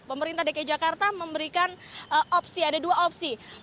pemerintah dki jakarta memberikan opsi ada dua opsi